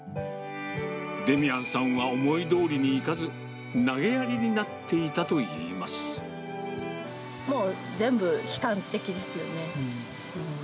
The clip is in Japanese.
デミアンさんは思いどおりにいかず、投げやりになっていたといいもう、全部悲観的ですよね。